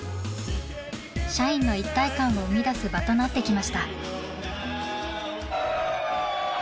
社員の一体感を生み出す場となってきました。